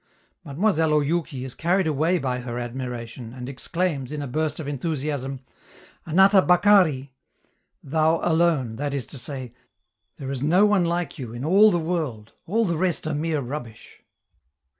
Mademoiselle Oyouki is carried away by her admiration, and exclaims, in a burst of enthusiasm: "Anata bakari!" ("Thou alone!" that is to say: "There is no one like you in the world, all the rest are mere rubbish!")